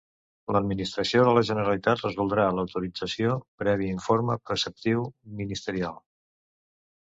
L'administració de la Generalitat resoldrà l'autorització previ informe preceptiu ministerial.